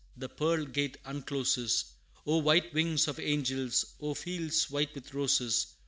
the pearl gate uncloses! O white wings of angels! O fields white with roses!